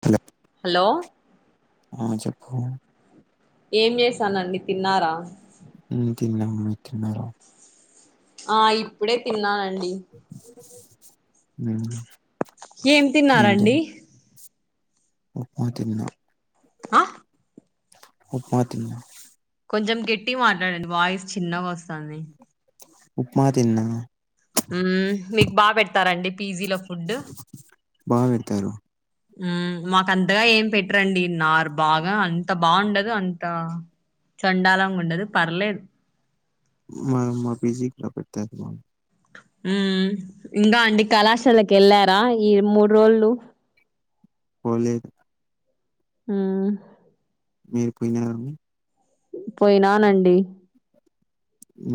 [unintelligible] అలో ఆ చెప్పు ఏం చేశానండి తిన్నారా ఉ తిన్నాం మీరు తిన్నార ఆ ఇప్పుడే తిన్నానండి ఉమ్ ఏం తిన్నారండి ఉప్మా తిన్నా. ఆ ఉప్మా తిన్నా కొంచెం గట్టిగా మాట్లాడండి వాయిస్ చిన్నగా వస్తాంది. ఉప్మా తిన్నా మ్ మీకు బాగా పెడతారండి పీజీలో ఫుడ్ బా పెడతారు మ్ మాకు అంతగా ఏం పెట్టరండి నార్ బాగా అంత బాగుండదు అంత చండాలంగా ఉండదు పర్లేదు మ మా పిజీలో పెడతరు ఉమ్ ఇంగ అండి కళాశాలకి వెళ్ళారా ఈ మూడు రోల్లు పోలే ఉహ్ మీర్ పోయినార పోయినానండి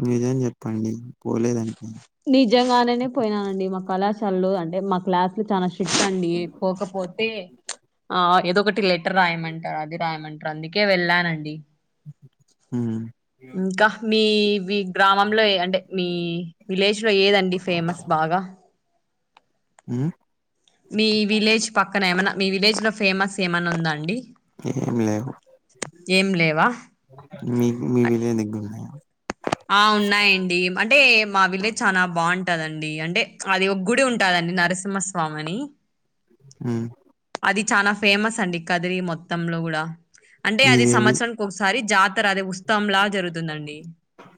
నిజం చెప్పండి పోలేదంటే నిజంగానేనే పోయినానండి మా కళాశాలలో అంటే మా క్లాస్లు చాన స్టీట్టండి పోకపోతే ఆ ఏదో ఒకటి లెట్ రాయమంటారు అది రాయమంటారు అందుకే వెళ్ళానండి. ఊ మీ మీ గ్రామంలో అంటే మీ విలేజ్లో ఏదండి ఫేమస్ బాగా హ్ మీ విలేజ్ పక్కన ఏమైన్నా మీ విలేజ్ లో ఫేమస్ ఏమన్నా ఉందా అండి ఏం లేవు ఏం లేవా మీకు మీ విలేజ్ దగ్గర ఉన్నాయ ఆ ఉన్నాయండి అంటే మా విలేజ్ చాలా బాగుంటదండి అంటే అది ఒక గుడి ఉంటాదండి. నరసింహస్వామి అని హ్ అది చాలా ఫేమస్ అండి కదిరి మొత్తం లో గుడా అంటే అది మీదేవి సంవత్సరానికి ఒకసారి జాతి అదే ఉత్సవంలా జరుగుతుందండి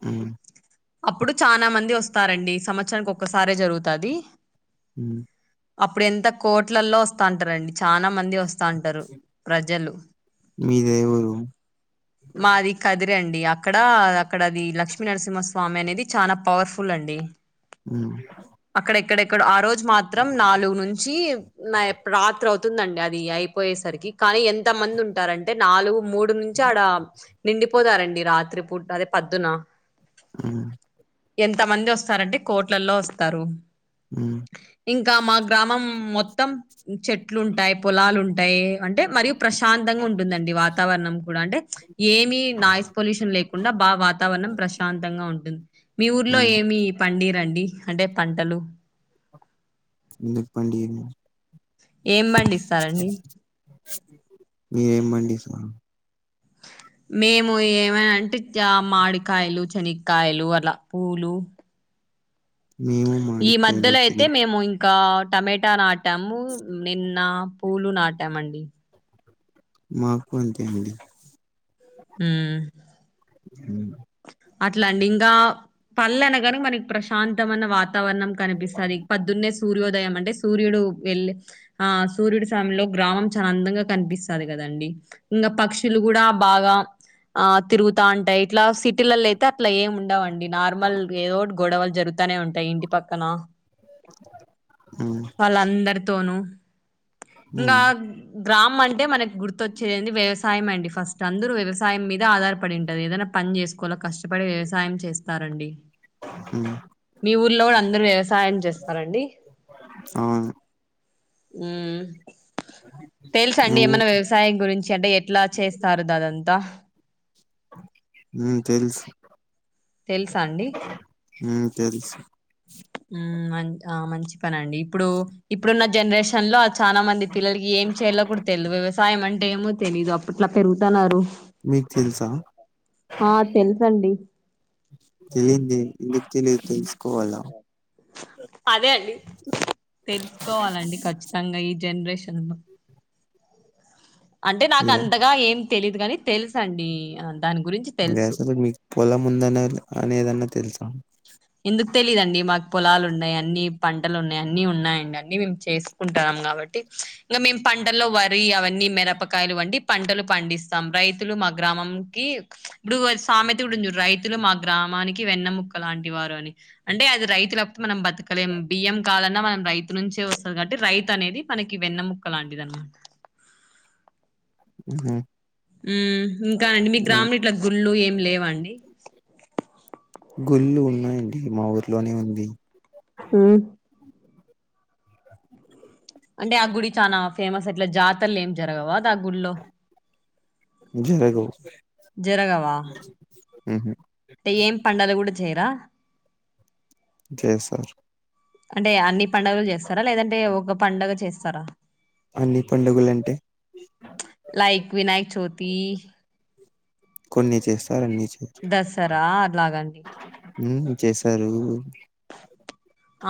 మ్మ్ అప్పుడు చాలా మంది వస్తారండి సంవత్సరానికి ఒక్కసారే జరుగుతది అండి హ్ అప్పుడు ఎంత కోట్లల్లో వస్తాంటారండి చనా మంది వస్తా అంటారు ప్రజలు మీదే ఊరు మాది కదిరండి. అక్కడ అక్కడ ఆది లక్ష్మీ నరసింహ స్వామి అనేది చాలా పవర్ఫుల్ అండి హ్ అక్కడెక్కడెక్కడో ఆ రోజు మాత్రం నాలుగు నుంచి రాత్రి తుందండి అది అయిపోయేసరికి కానీ ఎంత మంది ఉంటారంటే నాలుగు నుంచి మూడు నుంచి ఆడ నిండి పో పోతారండి రాత్రి పూటా అంటే పోద్దున హ్ ఎంత మంది వస్తారంటే కోట్లల్లో వస్తారు ఉ ఇంకా మా గ్రామం మొత్తం చెట్లుంటాయి పొలాలు ఉంటాయి అంటే మరియు ప్రశాంతంగా ఉంటుందండి వాతావరణం కూడా అంటే ఏమి నాయిస్ పొల్యూషన్ లేకుండా బాగా వాతావరణం ప్రశాంతంగా ఉంటుంది. మీ ఊర్లో మ్మ్ ఏమి పండియారా అండి అంటే పంటలు ఎందుక్ పండియము ఏం పండిస్తారండి మీరేం పండిస్తారు మేము ఏమంటే మాడికాయలు శనగక్కయలు అంటే పూలు మేము ఈ మామిడికాయలు మధ్యలో అయితే వచ్చేది మేము ఇంకా టమటా నాటాము నిన్న పూలు నాటాం అండి మాకు అంతే అండి హ్ హ్ అట్లా అండి ఇంగా పళ్ళు అనగానే మనకి ప్రశాంతమైన వార్త వాతావరణం కనిపిస్తది. పోద్దున్నే సూర్యోదయం అంటే సూర్యుడు వెళ్ళే ఆ సూర్యుడి సమయంలో గ్రామం చాలా అందంగా కనిపిస్తది కదండి. ఇంకా పక్షులు కూడా బాగా ఆ తిరుగుతా ఉంటాయి ఇట్లా సిటీలలో అయితే అట్లా ఏం ఉండవండి నార్మల్ ఏదోటి గొడవలు జరుగుతానే ఉంటాయి. ఇంటి పక్కన హ్ వాళ్ళందరితోనూ ఇంకా ఉమ్ గ్రామం అంటే మనకి గుర్తొచ్చేది. ఏంది వ్యవసాయం అండి. ఫస్ట్ అందరు వ్యవసాయం మీద ఆధారపడి ఉంటారు ఏదైనా మనకు పని చేసుకోవలే కష్టపడి వ్యవసాయం చేస్తారండి మ్మ్ మీ ఊర్లో కూడా అందరు వ్యవసాయం చేస్తారండి అవును తెల్సా అండి నువ్వు ఏమన్నా వ్యవ సాయం గురించి అంటే ఎట్లా చేస్తారు దా అదంతా మ్మ్ తెలుసు తెలుసా అండి మ్మ్ తెలుసు మ్మ్ మంచ్ ఆ మంచి చెప్పనండి ఇప్పుడు ఇప్పుడున్న జనరేషన్ లో చానా మంది పిల్లలకి ఏం చేయాల్లో కూడా తెలిదు వ్యవసాయం అంటే అంటే ఏమో తెలీదు అప్పట్లో పెరుగతున్నారు మీకు తెలుసా తెలుసండి తెలింది ఎందుకు తెలిదు తెలుసుకోవాల్లా అదే అండి తెలుసుకోవాలండి ఖచ్చితంగా ఈ జనరేషన్ లో అంటే నాకు మీరే అంతగా ఏం తెలీదు కాని తెలుసండి ఆ దాని గురించి ఇప్పుడు తెలుసు అసలు మీకు పొలం ఉందన్నా అనేదన్నా తెలుసా ఎందుకు తెలీదండి మాకు పొలాలు ఉన్నాయి అన్ని పంటలు ఉన్నాయి అన్ని ఉన్నాయండి అన్ని మేము చేసు కుంటాం కాబట్టి ఇంకా మేము పంటల్లో వరి అవన్నీ మిరపకాయలు వంటి పంటలు పండిస్తాం రైతులు మా గ్రామం కి ఇప్పుడు ఒక సామెత కూడా ఉంది చూడు రైతులు మా గ్రామానికి వెన్నముక లాంటి వారు అని అంటే అది రైతు లేకపోతే మనం బతకలేం బియ్యం కావాలన్నా మనం రైతు నుంచే వస్తాది కాబట్టి రైతు అనేది మనకి వెన్నముక్క లాంటిది అనమాట [unintelligible] ఉ హ మ్మ్ ఇంకా అండి మీ గ్రామంలో ఇట్లా గుళ్ళు ఏమి లేవా అండి గుళ్ళు ఉన్నాయండి మా ఊర్లోనే ఉంది ఉనా అంటే ఆ గుడి చానా ఫేమస్ అట్లా జాతరలు ఏం జరగవా అద ఆ గుడిలో జరగవు జరగవా ఉహు అంటే ఏం పండగలు కూడా చేయరా జేసారు అంటే అన్ని పండుగలు చేస్తారా లేదంటే ఒక పండగ చేస్తారా అన్ని పండుగలు అంటే లైక్ వినాయక చవితి కొన్ని చేస్తారు అన్ని చేయరు దసరా అలాగండి ఉను చేస్తారు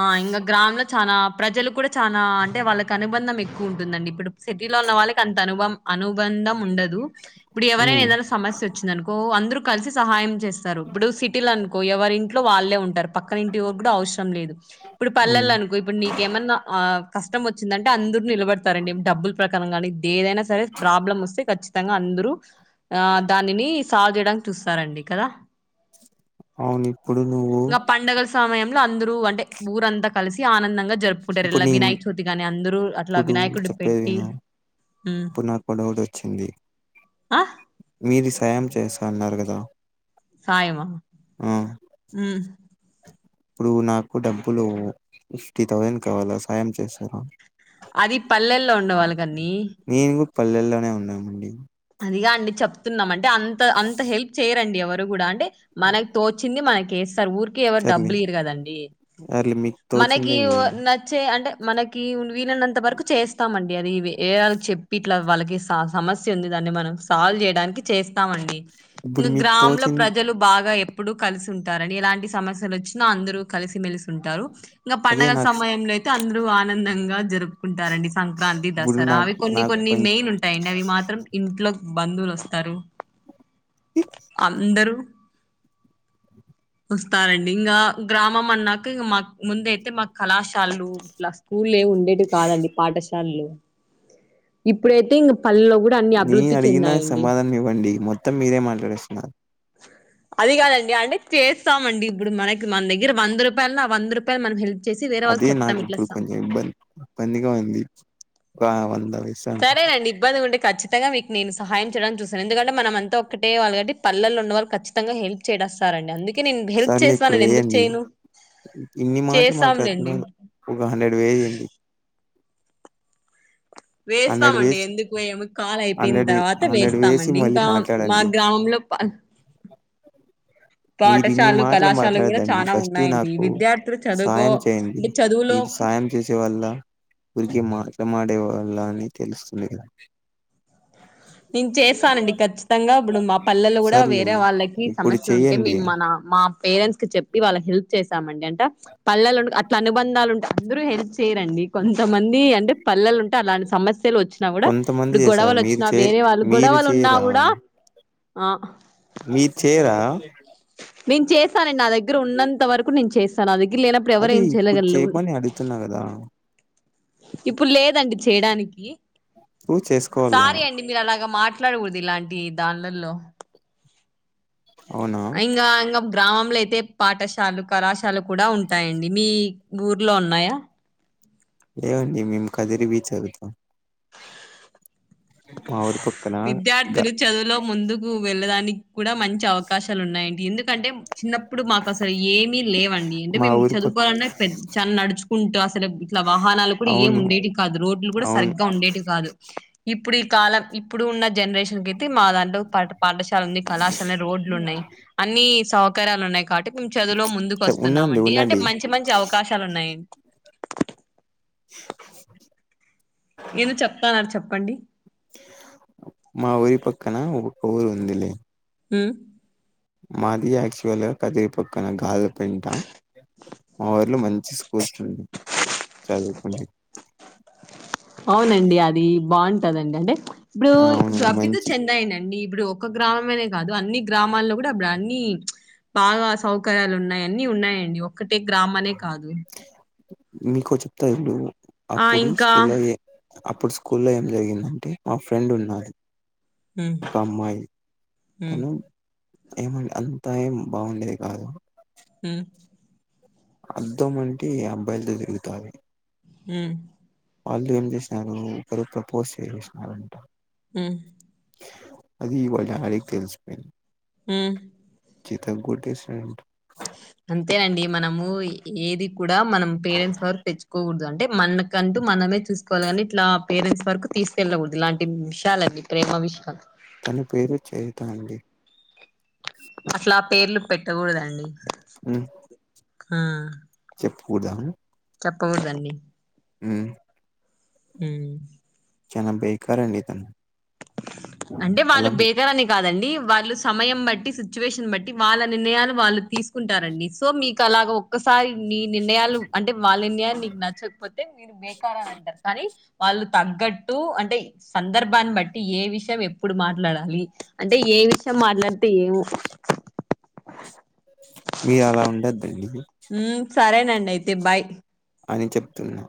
ఆ ఇంగా గ్రామంలో చానా ప్రజలు కూడా చానా అంటే వాళ్ళకి అనుబంధం ఎక్కువ ఉంటుందండి ఇప్పుడు సిటీలో ఉన్న వాళ్ళకి అంత అనుబం అనుబంధం ఉండదు ఇప్పుడు ఎవరైనా ఉమ్ ఏదైనా సమస్య వచ్చిందనుకో అందరూ కలిసి సహాయం చేస్తారు ఇప్పుడు సిటీలో అనుకో ఎవరి ఇంట్లో వాళ్ళే ఉంటారు పక్కన ఇంటి కూడా అవసరం లేదు ఇప్పుడు ఉమ్ పల్లెల్లో అనుకో ఇప్పుడు నీకేమన్నా కష్టం వచ్చిందంటే అందరు నిలబడతారండి డబ్బులు ప్ర కానీ ఏదైనా సరే ప్రాబ్లమ్ వస్తే ఖచ్చిత అందరూ ఆ దానిని సాల్వ్ చేయడానికి చూస్తారండి కదా ఆ వుంది ఇప్పుడు నువ్వు నా పండగల సమయంలో అందరూ అంటే ఊరంతా కలిసి ఆనందంగా జ జరుపుకుంటారు ఇప్పుడు ఇలా నేను వినాయక చవితిగాని అందరరుూ అట్లా ఇప్పుడు వినాయకుడు చెప్పేది పెట్టి, విను మ్ ఇప్పుడు నాకో ఒక డౌట్ వచ్చింది. ఆ మీది సాయం చేస్త అన్నారు కదా, సాయమా ఆ ఉం ఇప్పుడు నాకు డబ్బులు ఫిఫ్టీ థౌజండ్ కావాలా సాయం చేస్తారా. అది పల్లెల్లో ఉండేవాళ్ళ కాన్నిీ నేను కూడా పల్లెల్లోనే ఉన్నామండి. అదిగా అండి చెప్తున్నాం అంటే అంత అంత హెల్ప్ చేయరండి ఎవరు కూడా అంటే, మనకు తోచింది మనకి వేస్తారు ఊరూ ఎవరు సర్లే డబ్బులు ఇయరు కదండి సర్లే మీకు మనకి తోచిందే ఒ వేయండి నచ్ చే అంటే మనకి వీలైనంత వరకు చేస్తామండి అది వి వాళ్ళకి చెప్పి ఇట్లా వాళ్ళకి సమస్య ఉంది. దాన్ని మనం సాల్వ్ చేయడానికి చేస్తామండి ఇప్పుడు ఇ మీకు గ్రామంలో తోచింది ప్రజలు, బాగా ఎప్పుడు కలిసి ఉంటారుడి ఎలాంటి సమస్యలు వచ్చినా అందరుూ కలిసిమెెలిసి ఉంటారు. ఇంకా అదే పండగల నాకు స సమయంలో అయితే అందరూ ఆనందంగా జరుగు. కుంటారండి సంక్రాంతి ఇప్పుడు దసరా నాకు అవి కొన్ని నాకు కొన్ని కొంచెం మెయిన్ ఉంటాయండి అవి మాత్రం, ఇంట్లోకి బంధువులు వస్తారు అందరూ, వస్తారండి ఇంగ గ్రామం అన్నాక ఇ మాక్ ముందైతే మాకళాశాలలు ఇట్లా. ఊళ్ళో ఏ వి ఉండేవి కాదండి పాఠశాలలు ఇప్పుడైతే ఇంక పల్లెలో కూడ్. నీ అడిగిన సమాధానం ఇవ్వండి మొత్తం మీరే మాట్లాడేస్తున్నారు. స అది గాదండి అంటే చేస్తామండి ఇప్పుడు మనక్ మన దగ్గర వంద రూపాయల ఆ వంద రూపాయలు మనం హెల్ప్. చేసి వేరే అదీ వాళ్ళకి చెప్తాం నాకిప్పుడు ఇట్లాస్తాం కొంచెం ఇబ్బంది ఇబ్బందిగా ఉంది వా వంద వెసు. సరేనండి. ఇబ్బంది ఉంటే ఖచ్చితంగా గా మీకు నే సహాయంచేయడానికి చూసాను ఎందుకే అంటే మనంంత ఒక్కటే వాళ్ళ కాబట్టి పల్లల్లో ఉన్న వాళ్ళ ఖ చ్చత. మొంగా హెల్ప్ చేయడస్తారం అడి అందుకే నేను హెల్ప్ సర్లే చేసాను ఇప్పుడు నేను ఎందుకు వేయండి చేయను. ఇన్ని మాటలు చేస్తాంలేండి మాట్లాడుతున్నారు ఒక హండ్రెడ్ వెయ్యండి. హండ్రెడ్ వేస్తామండి వేసి ఎందుకు వేయము కాలు అయిపోయిన హండ్రెడ్ తర్వాత హండ్రెడ్ వేసి వేస్తామండి మళ్ళీ ఇంకా మా మాట్లాడండి గ్రామంలో పాల్ మీరిన్ని పాఠశాలలు మాటలు కళాశాలలు కూడా మాట్లాడదండి చాలా ఫస్ట్ ఉన్నాయండి నాకు విద్యార్థులు చదువుకో సాయం చేయండి అంటే చదువులో మీరు సాయం. చేసే వాళ్ళ ఊరికే మాట్మాడే వాళ్ళ అని తెలుస్తుంది ఈడ [unintelligible] నేను చేస్తానండి ఖచ్చితంగా ఇప్పుడు మా పల్లలు కూడా సర్లే వేరే వాళ్ళకి ఇప్పుడు సమస్య ఉంటే మే చెయ్యండి మన మా పేరెంట్స్ కి చెప్పి వాళ్ళ హెల్ప్ చేసామండి అంటా పల్లలు అట్ల అనుబంధాలు ఉంటాయి అందరూ. హెల్ప్ చే య చేయరండి కొంతమంది అంటే పల్లెలు ఉంటే అలాంటి సమస్యలు వచ్చినా కూడా కొంతమంది ఇప్పుడు చేసారు గొడవలు మీరు వచ్చినా చే వేరే వాళ్ళు మీరు గొడవలుండ చేయరా గూడా ఆ. మీరూ చేయ్య రా, నేను చేస్తానండి నా దగ్గర ఉన్నంత వరకు నేను చేస్తాను నా దగ్గర లేనప్పుడు ఎవర ఏం చేయగలవుని తిన్నగద. ఇప్పుడు లేదండి చేయడానికి ప్రూవ్ చేసుకోవాలా సారీ అండి. మీరు అలాగ మాట్లాడకూడదు ఇలాంటి దాన్లలో అవునా ఇంగ అంగము. గ్రామంలో అయితే పాఠశాల కళాశాలు కూడా ఉంటాయండి మీ ఊర్లో ఉన్నాయా. లేవండి మేము కదిరి బీ చదువుతాం. మా ఊరి పక్కన గా విద్యార్థులు. చదువులో ముందుకు వెళ్ళడానికి కూడా మంచి అవకాశాలు ఉన్నాయడి ఎందుక్. కంటే చిన్నప్పుడు మాక్ అసలు ఏమీ లేవండి అంటే మా మేము ఊరి పక్క చదువుకోవాలన్నా పె చ నడుచు. కుంటూ అసలు ఇట్లా వాహనాలు కూడా ఏం అవును ఉండేటి కాదు రోడ్లు కూడా అవును సరిగ్గా ఉండేటి కాదు. ఇప్పుడు ఈ కాలం ఇప్పుడు ఉన్న జనరేషన్కి అయితే మా దాంట్లో పాట్. పాఠశాల ఉంది కళాశాల రోడ్లు ఉన్నాయి అన్ని సౌకర్యాలు ఉన్నాయి కాట్టి. ఉమ్ చదువులో చె ఉండండి ముందుకోస్తున్నామండి అంటే ఉండండి మంచి మంచి అవకాశాలు ఉన్నాయ్. ఏదో చెప్తాన్నారు చెప్పండి. మా ఊరి పక్కన ఒక ఊరు ఉందిలే. ఊ. మాది ఆక్చువల్ కదీ పక్కన గాల్పెంట మాద్. మంచి స్కూల్స్ ఉండే చదువు కుంటే. అవునండి అది బాగుంటదండి అంటే ఇప్పుడు అవును రడబ్బితో మంచి చెందాయండి ఇప్పుడు. ఒక గ్రామమేనే గాదు అన్ని గ్రామాల్లో కూడా అప్పుడు అన్ని. బాగా సౌకర్యాలు ఉన్నాయి అన్నీ ఉన్నాయండి ఒక్కటే గ్రామనే కాదు. నీకో చెప్తా ఇను ఆ అప్పుడు ఇంకా స్కూల్లోఏ. అప్పుడు స్కూ లో ఏం జరిగిందంటే మా ఫ్రెండ్ ఉన్నారు. హ్మ్ కామ్మై హ్మ్ తను. ఏమ అంతా ఏం బాగుండేది కాదు హ. అర్ధం అంటే అబ్బాయిలతో తిరుగుతాది. ఉ. వాళ్ళు ఏం జెష్నరు ఒకరు ప్రపోజ్ చేసినారాంట. ఆ. అది వాళ్ళ డాడికి తెలుసుపోయింది. ఉ. చితక్కొట్టేసాండు. అంతేనండి మనము ఏది కూడా మనం పేరెంట్స్ వరకు తెచ్చుకోగూడదు అంటే మన. కంతూ మనమే చూసుకోవాలి కానీ ఇట్లా పేరెంట్స్ వరకు తీసుకెళ్ళకూడదు ఇలాంటి విషయాలన్నీ ప్రేమ విషయాలు. తను ప్రేమించేయదా అండి. అసలా పేర్లు పెట్టకూడదండి. ఉ. ఆ. చెప్పుకుదా. చెప్పగుడదండి. ఉ. హ. చనా బేకారండి తను. అంటే అలా వాళ్ళు బేకరని. కాదండి వాళ్ళు సమయం బట్టి సిచ్యువేషన్ బట్టి వాళ్ళ నిర్ణయాలు వాళ్ళు తీసుకుంటారండి సో మీకు అలాగో. సాయి నీ నిర్ణయాలు అంటే వాళ్ళ నిర్ణయాలు నీకు నచ్చకపోతే మీరు బేకార అని అంటారు కానీ. వాళ్ళు తగ్గట్టు అంటే సందర్భాన్ని బట్. ఏ విషయం ఎప్పుడు మాట్లాడాలి అంటే ఏ విషయం మాట్లాడితే ఏమో. మీరు అలా ఉండద్దండీ ఉమ్ సరేనండి అయితే బాయ్ అని చెప్తున్నా